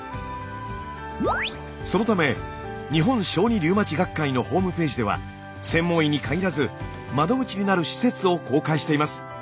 そのため日本小児リウマチ学会のホームページでは専門医に限らず窓口になる施設を公開しています。